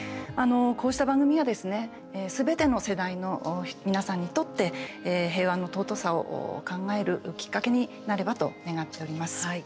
こうした番組がすべての世代の皆さんにとって平和の尊さを考えるきっかけになればと願っております。